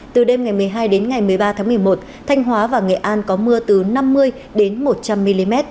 từ đêm ngày một mươi hai đến ngày một mươi ba tháng một mươi một thanh hóa và nghệ an có mưa từ năm mươi đến một trăm linh mm